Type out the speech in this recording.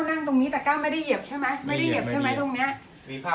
กลับมาร้อยเท้า